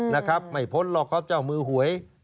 นะครับไม่พ้นหรอกครับเจ้ามือหวย